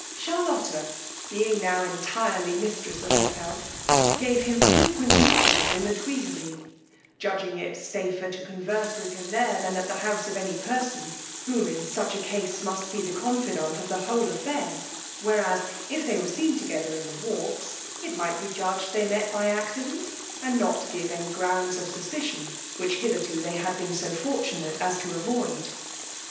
Charlotta, being now entirely mistress of herself, gave him frequent meetings in the Tuilleries, judging it safer to converse with him there than at the house of any person, whom, in such a case, must be the confidante of the whole affair; whereas, if they were seen together in the walks, it might be judged they met by accident, and not give any grounds of suspicion, which hitherto they had been so fortunate as to avoid.